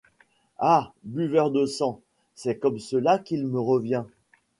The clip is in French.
Ah ! buveur de sang ! c’est comme cela qu’il me revient !